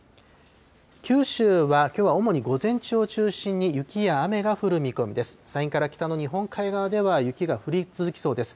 九州は、きょうは主に午前中を中心に雪や雨が降る見込みです。